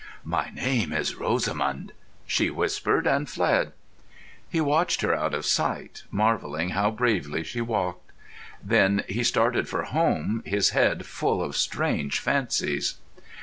"My name is Rosamund," she whispered, and fled. He watched her out of sight, marvelling how bravely she walked. Then he started for home, his head full of strange fancies....